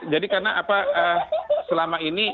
karena apa selama ini